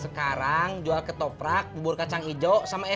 sekarang jual ketoprak bubur kacang ijo sama kue ape